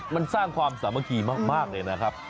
มันสร้างความสามัคคีมากเลยนะครับ